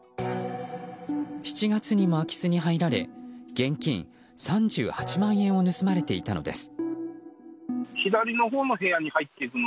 ７月にも空き巣に入られ現金３８万円を盗まれていたのです。